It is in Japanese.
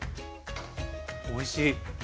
おいしい。